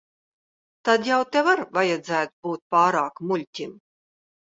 Tad jau tev ar vajadzētu būt pārāk muļķim.